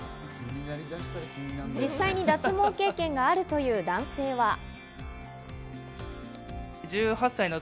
実際に脱毛経験があるという男性は。